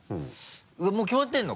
もう決まってるの？